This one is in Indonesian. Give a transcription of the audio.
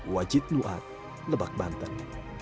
wajid luat lebak banten